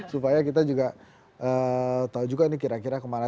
supaya kita juga tahu juga ini kira kira kemana